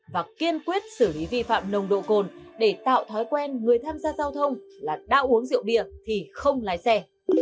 và kiên quyết xử lý vi phạm nồng độ cồn để tạo thói quen người tham gia giao thông là đã uống rượu bia thì không lái xe